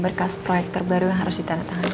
berkas proyek terbaru yang harus ditandatangani